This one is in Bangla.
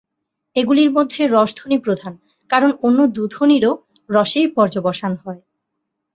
এগুলির মধ্যে রসধ্বনি প্রধান, কারণ অন্য দু ধ্বনিরও রসেই পর্যবসান হয়।